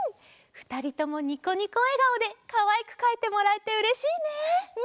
ふたりともニコニコえがおでかわいくかいてもらえてうれしいね！